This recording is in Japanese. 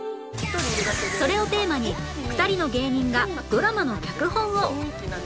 それをテーマに２人の芸人がドラマの脚本を！